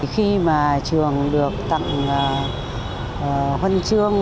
khi mà trường được tặng huân chương